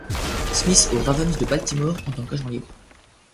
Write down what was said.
Smith au Ravens de Baltimore en tant qu'agent libre.